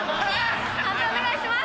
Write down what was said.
判定お願いします。